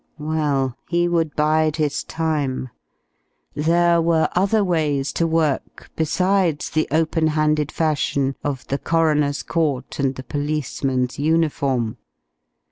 Well, he would bide his time. There were other ways to work besides the open handed fashion of the coroner's court and the policeman's uniform.